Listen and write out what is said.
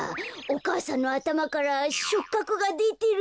お母さんのあたまからしょっかくがでてるのを。